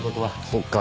そっか。